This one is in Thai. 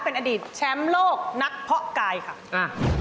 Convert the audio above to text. เป็นอดีตแชมป์โลกนักเพาะกายค่ะอ่า